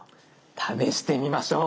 試してみましょう。